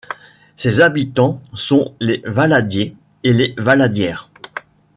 Ses habitants sont les Valladiers et les Valladières.